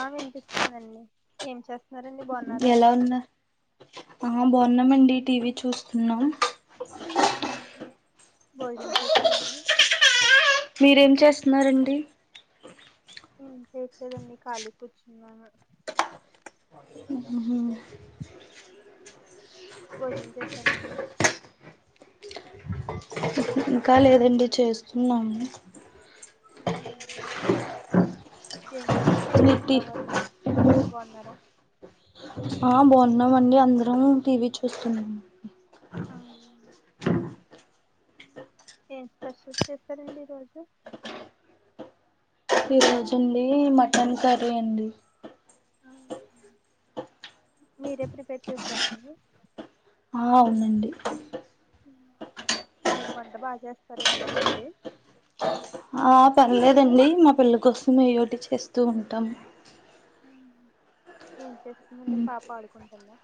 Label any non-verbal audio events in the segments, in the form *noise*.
ఆ వినిపిస్తా స్తుందండి ఏం చేస్తా సరేండి బాగున్నారా ఎలా ఉన్నా ఆ బాగున్నామండి టీవీ చూస్తున్నాం భోజనం చేస్తారంండి చస్తున్నారండి ం చేయట్లేదండి ఖాళీ కూర్చున్నాను భోజనం చేస్తారంండి ఇంకా లేదండి చేస్తున్నాము ఓహ ఏం చేస్తున్నారండి మీటి ఇంట్లో వాళ్ళు అందరు బాగున్నారా ఆ బాగున్నామ అండి అందరం టీవీ చూస్తున్నా అవు ఏం స్పూస్ చేస్తారండి ఈరోోజు ఫిరోజు అడి మటన్ కర్రీ అండి మీరే ప్రిపేర్ చేస్తారు సరేండి ఆ ఉవుందండి మీరు వంట బాగా చేస్తారండి అయితే ఆ పర్లేదండి మా పెళ్ళ కోసుమ ఈటి చేస్త వస్తూ ఉంటాం ఏం చేస్ ఇన్ననే పాప ఆడుకుంటుందా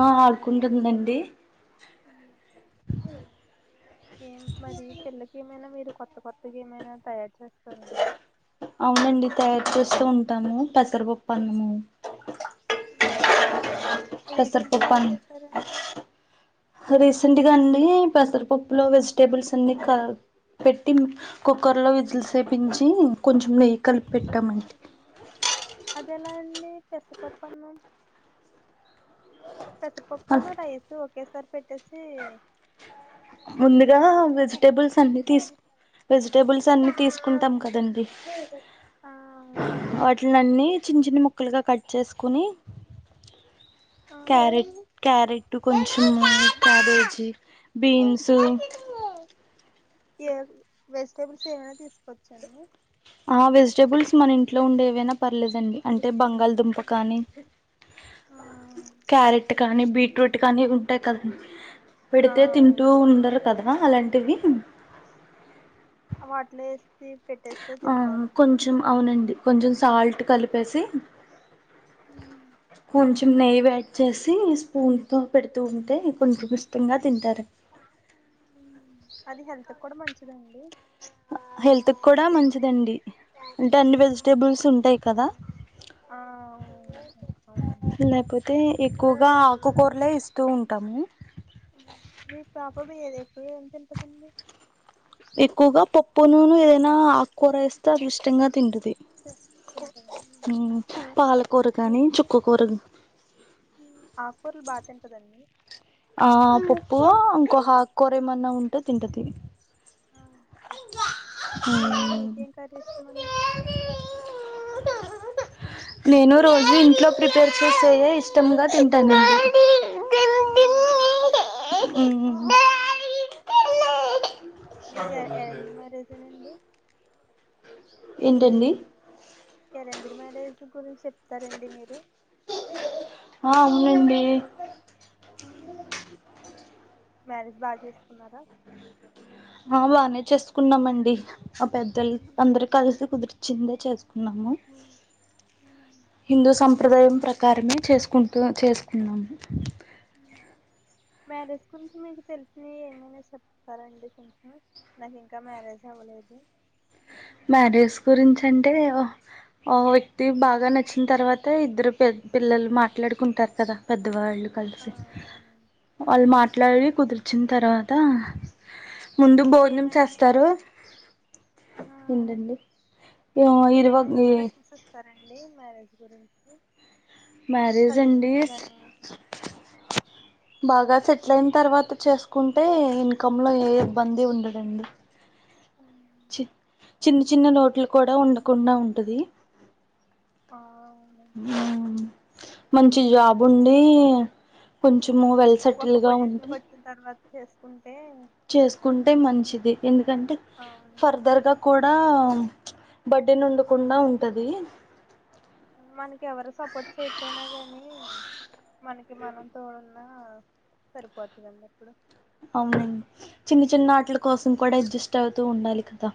ఆ ఆడుకుంటుందండి అ ఏం మరి పిల్లకి ఏమైనా మీరు కొత్త కొత్తగా ఏమైనా తయారు చేస్తారా అండి అవునండి తయారు చేస్తూ ఉంటాము పెసరపప్పు అన్నము పెసర రీసెంట్గా పప్పు ఏం అన్నం చేశారండి గా అండి పెసరపప్పు లో వెజిటేబుల్స్ అన్ని కలిపి పెట్టి కుక్కర్ లో విజిల్ సేపించి కొంచెం నెయ్యి కల్పెట్టమంటి అది ఎలా అండి పెసరపప్పన్నం పెసరపప్పును రైస్ ఓకే సారీ ముందుగా కుక్ వెజిటేబుల్స్ అన్ని చేసేయడం తీసు అండి వెజిటేబుల్స్ అన్ని తీసు కుంటాం కదండి ఆ అవునండి వాటిలనన్ని చిన్న చిన్న ముక్కలుగా కట్ చేసుకుని ఆ క్యారెట్ క్యారెట్ కొంచెం క్యాబేజీ బీన్సు వెజిటెబుల్స్ ఏమైనా తీసుకోవచ్చా అండి ఆ వెజిటేబుల్స్ మన ఇంట్లో ఉండే ఏవైనా పర్లేదండి అంటే బం లదుంప కానీ ఆ క్యారెట్ కానీ బీట్ రూట్ కానీ ఉంటాయి కదండి ఆ పెడితే తింటూ అవును ఉండరు కదా అ అలాంటివి అవి అట్లా చేస్ ఆ కొంచెం అవునండి కొంచెం సాల్ట్ కలిపి పేసి ఉమ్, కొంచం కొంచెం నెయ్యి యాడ్ చేసి స్పూన్తో పెడితూ ఉంటే కొంచెం ఇష్టంగా తింటారు. అది హెల్త్ కూడా మంచిదండి. హెల్త్ కూడా మంచిదండి. అంటే అన్ని ఉమ్. వెజిటబుల్స్ ఉంటాయి కదా ఆ అవును అవునండి లేకపోతే ఎక్కువగా ఆకుకూరలే ఇష్ తు ఉంటాము. మీ పాప ఎక్కువగా ఏం తింటదండి ఎక్కువగా పప్పు నూనె ఏదైనా ఆకుకూర వేస్తే అది ఇష్టంగా తింటది. పెస తింటదా పాలకూర గాని మీకు చుక్కకూర గాని ఆకురాలు బాగా తింటదండి ఆ పప్పు ఇంకో ఆకుకూర ఏమన్నా ఉంటే తింటది ఆ మీరే మీటింగ్ కఖదిస్తుమం నేను రోజు ఇంట్లో ప్రిపేర్ చేసేయే ఇష్టంగా తింటానండి ఉమ్ మీది ఏంది మరి ఆ ఏంటండి అరేంజ్డ్ మ్యారేజ్ గురించి చెప్తారండి మీరు అవునుండి మ్యారేజ్ బాగా చేసుకున్నారా ఆ బానే చేసుకున్నామండి ఆ పెద్దలు అందరు కలిసి కుదురుత చింద చేసు న్నాము హిందూ సం ప్రదాయం ప్రకారమే చేసుకుంటూ చేసుకున్నాము మ్యారేజ్ గురించి మీకు తెలిసినవి ఏమైనా చెప్తారండి కొంచెం నాకు ఇంకా మ్యారేజ్ అవ్వలేదు మ్యారేజ్ గురించి అంటే ఓ ఓ వ్యక్తి బాగా నచ్చిన తర్వాత ఇద్దరు పి పిల్లలు మాట్లాడుకుంటారు కదా పెద్దవాళ్ళు కలిసి అల్ మా ఇట్లా అవి కుదిర్చిన తర్వాత ముందు భోజనం మీరేమైనా చేస్తారు ఏంటండి ఆ ఇరువ అండి మ్యారేజ్ గురించి మ్యారేజ్ అండి సజెషన్స్ గానీ బాగా సెటిల్ అయిన తర్వాత చేసుకుంటే ఇన్కమ్ంలో ఏ ఇబ్బంది ఉండదు అండి ఉ చి చిన్న చిన్న నోట్లు కూడా ఉండకుండా ఉంటది ఆ, అవునండి అ మంచి జాబ్ ఉండి కొంచెం ఏమో వెల్ సెటిల్డ్‌గా ఉంటే చేసుకం చేసుకుంటే మంచిది ఎందుకంటే అవును ఫర్దర్‌గా కూడా బడ్డీన్ ఉండకుండా అవును ఉంటది మనకి ఎవరు సపోర్ట్ చెయపోయినా గానీ మనకి మనం తోడు ఆ సరిపోతాదండి, అవునండి చిన్న చిన్న ఉమ్. వాటలా కోసం కూడా అడ్జస్ట్ అవుతు అవుతూ ఉండాలి కదా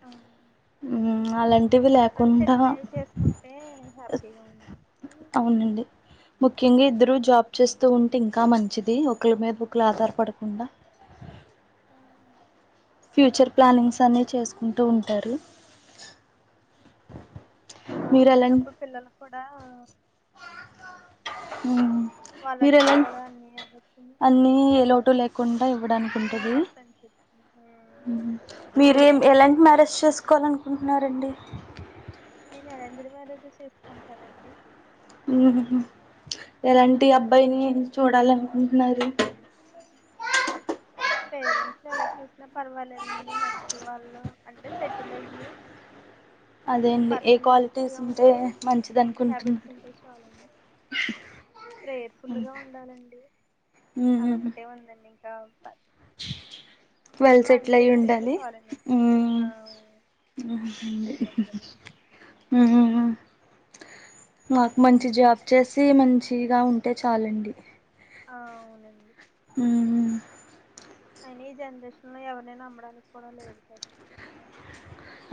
ఆ ఉహు అలాంటి, టివి అది లేకుండా సెటిల్ అయి చేసుకుంటే హ్యాపీగా ఉంది అవునండి ముఖ్యంగా ఇద్దరు ఉమ్. జాబ్ చేస్తూ ఉంటే ఇంకా మం మంచిది ఒకళ్ళ మీద ఒకలు ఆధారపడకుండా, ఆ, ఫ్యూచర్ ప్లానింగ్స్ అన్ని చేసుకుంటూ ఉంటారు మీరు ఎలా అవునండి అప్పుడు పిల్లలకు కూడా ఊ ఊ వాళ్ళు మీరు ఎలా అడిగింది కూడా అన్ని ఇవ్వచ్చు అన్ని ఎ లోటు లేకుండా ఆ ఇవ్వడానికుంటది ఫ్రెండ్స్ మీరు ఎం ఎలాంటి మ్యారేజ్ చేసుకోవాలి అనుకుంటున్నారండి, నేను అరేంజ్డ్ మ్యారేజ్ చేసుకుంటానండి ఉహు ఎలాంటి అబ్బాయిని, మీరు చూడాలనుకుంటున్నారు పేరెంట్స్ ఎవరు చూసినా పర్వాలేదండి మంచి వాళ్ళు అంటే సెటిల్ అయ్యి, అదేండి ఏ పర్సన్ క్వాలిటీస్ మంచిగా ఉంటే ఉండి మంచిది గుడ్ హ్యాబిట్స్ అనుకుంటున్నారు ఉంటే చాలు ప్రేయర్ ఫుల్ గా ఉండాలండి ఉహుహు అదొకటి ఇంకా వాళ్ళు సెట్లు మంచి అయి వ్యక్తి అయితే ఉండాలి చాలండి ఇంకేం ఉమ్ ఆ ఏమొద్దండి ఉహు నాకు మంచి జాబ్ చేసి మంచి ఫ్రీగా ఉంటే చాలండి ఆ అవునండి ఉహు అయిన ఈ జనరేషన్ లో ఎవరిని నమ్మడానికి కూడా లేదు అండి,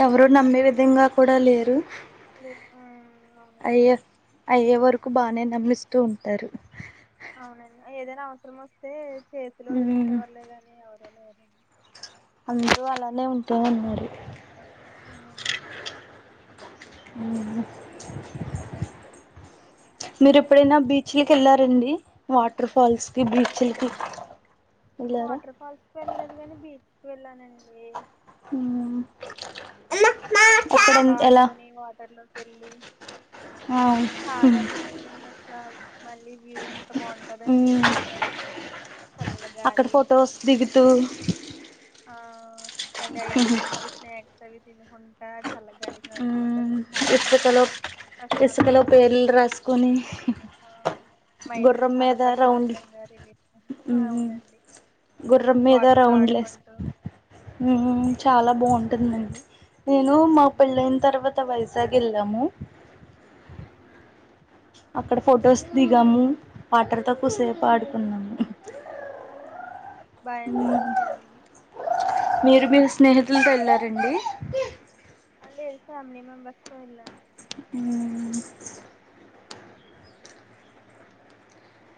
ఎవరు నమ్మే విధంగా కూడా లేరు ఉహు, అయి అయ్యే వరకు, బానే నమ్మిస్తూ ఉంటారు, అవునండి ఏదైనా అవసరం వస్తే చేతిలో వదిలేసే ఉమ్ వాళ్లే కాని ఎవరు *unintelligible* అందరూ అలానే ఉంటే అన్నారు అవునండి మీరు ఎప్పుడైనా బీచ్లకి వెళ్లారండి వాటర్ ఫాల్స్ కి బీచ్లకి, వెళ్ళారా వాటర్ ఫాల్స్ కి వెళ్లేదు గాని బీచ్ వెళ్ళానండి హ ఇక్కడ ఎలా వెళ్లి చాలా బాగుందండి అసలా మళ్ళీ వ్యూ అంత బాగుంటదండి ఈవినింగ్ టైమ్ చల్ల అక్కడ గాలి ఫొటోస్ దిగుతూ మళ్ళీ ఐస్ క్రీమ్స్ స్న్యాక్స్ తగత *unintelligible* వంట చల్లగాలికి నడుచుకుంట వస్తే చాలా ఇసుకలో బాగుంటది ప్రశాంత ఇసుకలో పేర్లు రాసుకొని ఆ మైండ్ గుర్రం చాలా మీద రౌండ్ ప్రశాంతంగా రిలీఫ్ అవునండి గుర్రం మీద వాటర్తో రౌండ్లేస్ ఆడుకుంటూ చాలా ఆ బాగుంటుందండి నేను మా అవును పెళ్ళ అయిన తర్వాత వయసు సగిళ్ళము అవు అక్కడ ఫోటోస్ దిగము పాటర్తో కూసేపు ఉమ్, ఆడుకున్నాము ఉమ్. బాగా ఎంజాయ్ చేసారండి మీరు మీరు స్నేహితులతో వెళ్ళారండి లేదు ఫ్యామిలీ మెంబర్స్ తొ ఎల్లానండి అ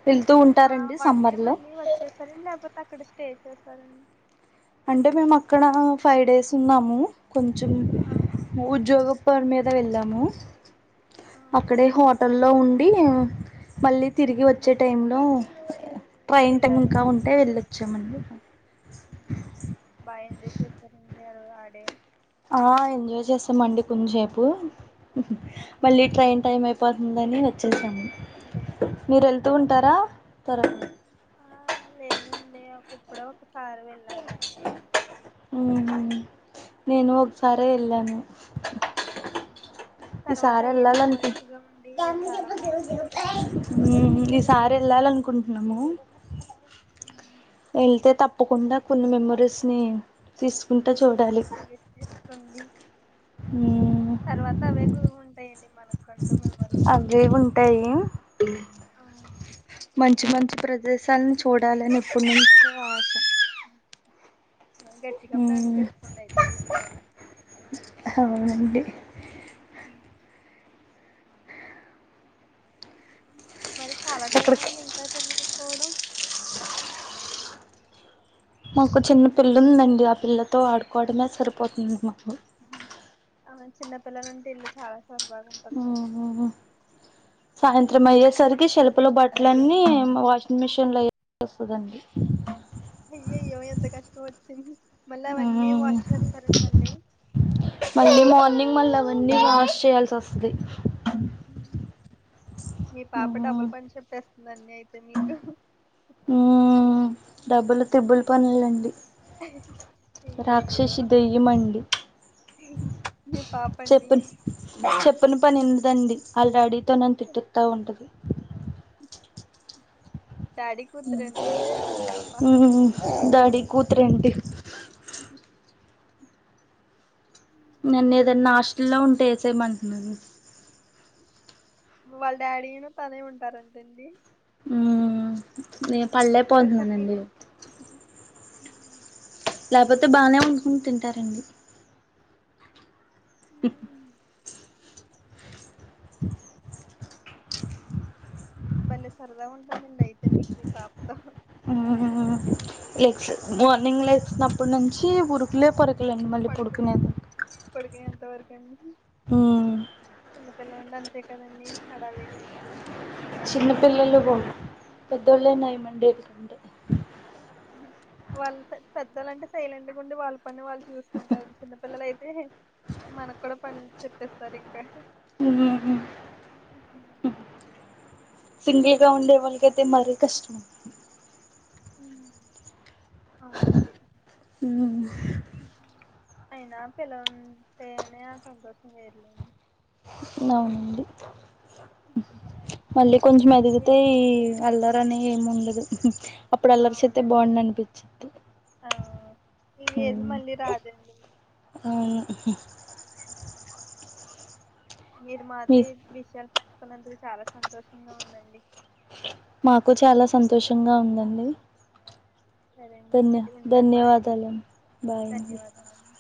వెళ్తూ ఆ ఉంటారండి వన్ డే సమ్మర్లో మళ్ళీ వచ్చేసర లేకపోతే అక్కడ స్టే చేస్తారండి అంటే మేము అక్కడ ఫైవ్ డేస్ ఉన్నాము కొంచెం ఆ ఉద్యోగపని మీద వెళ్ళాము ఆ అక్కడే ఓకే అండి. హోటల్ల్లో ఉండి మళ్ళీ తిరిగి ఉమ్, వచ్చే టైంలో ట్రైన్ టైం ఇంకా వెళ్ళారండి ఉంటే వెళ్ళొచ్చు *unintelligible* బాగ ఎంజాయ్ చేసేరండి యారు ఆడే ఆ ఎంజాయ్ చేశామండి కొంజేపు మళ్ళీ ట్రైన్ టైమ్ అయిపోధ్ ఉందని వచ్చేసాము ఇంకొచ్చేసాం మీరు వెళ్తూ ఉంటారా త్వరగా ఆ లేదండి ఎప్పుడో ఒక సారీ వెళ్ళాను అంతే అండి ఉహు నేను ఒకసారే ఎళ్ళాను ఉమ్. తర్వాత ఈసారి అయ్యే ఎళ్ళాలి అనుకుం మెమోరీస్ గా ఉండి చాలా బాగుంటాయండి ఉమ్ ఈసారి ఎల్లాలి అనుకుం కుంటన్నాము వెళ్తే తప్ తప్పకుండా కొన్ని మెమరీస్ని తీసుకుంటా ఆ చూడాలి క్రియేట్ చేసుకోండి మ్మ్ తర్వాత అవే గురువు ఉంటాయండి మనకంటూ మెమోరీస్ అవే ఉంటాయి అవును మంచి మంచి ప్రదేశాలను చూడాలని ఎప్పటి నుంచో ఆశ గట్టిగా ప్లాన్ మ్మ్ చేసుకొండి అయితే ఈ సారి అవునండి మరి చాలా టైం ఎక్కడికి అయింది ఇంకా తినలేదు పోవడం మాకు చిన్న పిల్ల ఉందండి ఆ పిల్లతో ఆడుకోవడమే సరిపోతుంది మాకు హు ఆ చిన్న పిల్లలు ఉంటే ఇల్లు చాలా సరదాగా ఉంటది హు కదండి సాయంత్రం అయ్యేసరికి అ షెల్ఫ్ లో బట్టల అన్నీ వాషింగ్ మిషిన్ లో వేస్తదండి అయ్యయ్యో ఎంత కష్టం వచ్చింది మళ్ళీ అవన్నీ మ్మ్ వాష్ చేస్తారండి మళ్ళీ మళ్ళీ మళ్ళీ మార్నింగ్ అవన్నీ వాష్ చేయాల్సి వస్తుంది మీ పాప డబుల్ పని చెప్పేస్త నన్ని అయితే మీకు హు డబుల్ ట్రిబుల్ పనులండి అయ్యయ్యో రాక్షసి దెయ్యం అండి మీ పాప చెప్ప అండి చె ఉన్న పని ఉండదండి ఆల్రెడీ నన్ని తిట్టిస్తా ఉంటది డాడీ కూతురండి అయితే మీ పాప హు డాడి కూతురండి నన్ను ఏదన్నా హాస్టల్ల్లో ఉంటే వేసేయమంటుంది అండి వాళ్ళ డాడీను తనే ఉంటారంటండి హు నేను పళ్ళేక మరి పోతున్నానండి కుకింగ్ లేకపోతే బానే వండుకొని తింటారండి. *unintelligible* *inaudible* బలే సరదా ఉం హ్మ్ లెగ్స్ మార్నింగ్ లేసిన అప్ పుట్ నుంచి ఉరుకులే పరుక్ పడుకుని పడుకు ఎంత వరకు అండి మ్మ్ చిన్నపిల్లలండి అంతే కదండి హడావిడి చిన్న పిల్లలు పో పెద్ దోల్లే నైమండే ఎందుకంటే వాళ్ళు పె పెద్దలంటే సైలెంటుగా ఉండి వాళ్ పని వాళ్ళు చూసుకుంటారు చిన్నపిల్లలయితే మనకు కూడా పని చెప్పేస్తారు ఇంకా సింగిల్ రౌండ్ ఎల్కయితే మరీ కష్టం హ్మ్ హ్మ్ అయినా పిల్లలుంటేనే ఆ సంతోషం వేర్లే అవునండి మళ్ళీ కొంచెం ఎదిగితే మీరు- ఈ అల్ల కానీ ఏముండదు అప్పుడు అల్లరిచేత్తే అవునండి బాగుండు అనిపిచ్చిద్ది ఆ ఈ ఏజ్ హ్మ్ మళ్ళీ రాదండి అవును మీరు మీ మాది విషాల పట్ కన్ అందుకు చాలా సంతోషంగా ఉందండి మాకు చాలా సంతోషంగా ఉందండి సరే అండి ధన్య మరి ఉంటాను బాయండి ధన్యవాదాలండి బాయ్ అండి ధన్యవాదాలు